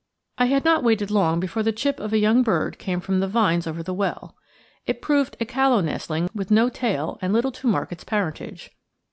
I had not waited long before the chip of a young bird came from the vines over the well. It proved a callow nestling, with no tail, and little to mark its parentage.